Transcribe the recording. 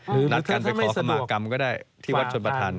หรือนัดการไปขอประมาณกรรมก็ได้ที่วัสดิ์ชดประธาน